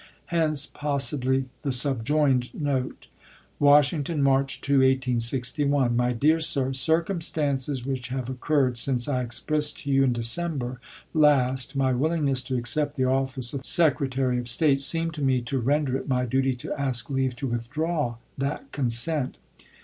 Hence, possibly, the subjoined note: Washington, March 2, 1861. My Dear Sir: Circumstances which have occurred since I expressed to you in December last my willingness to accept the office of Secretary of State seem to me to render it my duty to ask leave to withdraw that consent.